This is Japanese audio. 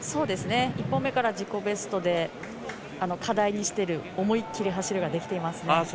１本目から自己ベストで課題にしてる思い切り走るができていますね。